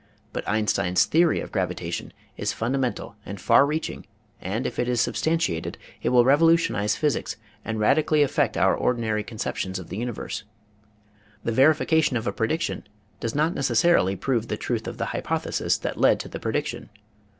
But Einstein's theory of gravita tion is fundamental and far reaching and if it is sub stantiated it will revolutionize physics and radically affect our ordinary conceptions of the universe. The verification of a prediction does not necessarily prove the truth of the hypothesis that led to the prediction.